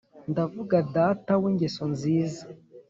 Ndavuga data w' ingeso nziza